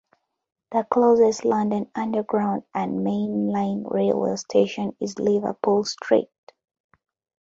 The closest London Underground and mainline railway station is Liverpool Street.